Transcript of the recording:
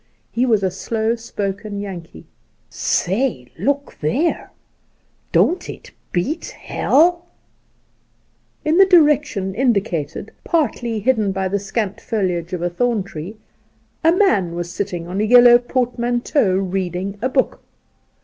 He was a slow spoken Yankee. ' Say, look there ! Don't it beat h— 11 f In the direction indicated, partly hidden by the scant foliage of a thorn tree, a man was sitting on a yellow portmanteau reading a book.